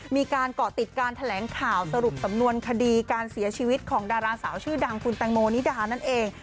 มีการเกาะติดการแถลงข่าวสรุปสำนวนคดีการเสียชีวิตของดาราสาวชื่อดังคุณแตงโมนิดานั่นเอง